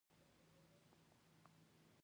د طیارې الوت د پيلوټ مهارت ته اړتیا لري.